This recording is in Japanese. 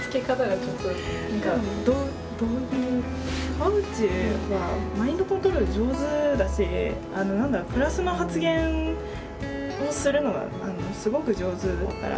河内はマインドコントロール上手だし何だろうプラスの発言をするのがすごく上手だから。